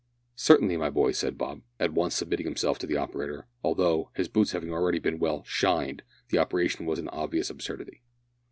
"Certainly, my boy," said Bob, at once submitting himself to the operator, although, his boots having already been well "shined," the operation was an obvious absurdity.